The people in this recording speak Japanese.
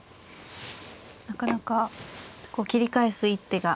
なかなか切り返す一手が。